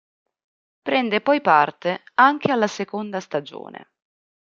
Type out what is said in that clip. Prende poi parte anche alla seconda stagione.